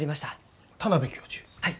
はい。